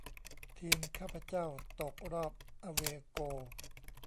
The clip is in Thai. ทีมข้าพเจ้าตกรอบอะเวย์โกล